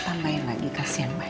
tambahin lagi kasihan banyak